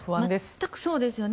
全くそうですよね。